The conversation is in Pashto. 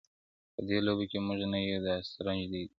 په دې لوبه کي موږ نه یو دا سطرنج دی د خانانو-